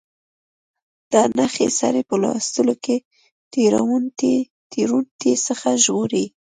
دا نښې سړی په لوستلو کې له تېروتنې څخه ژغوري.